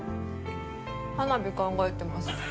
花火考えてます。